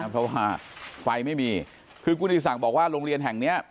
เพราะว่าไฟไม่มีคือคุณอิศักดิ์บอกว่าโรงเรียนแห่งนี้